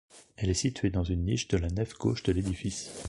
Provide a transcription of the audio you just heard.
Elle est située dans une niche de la nef gauche de l'édifice.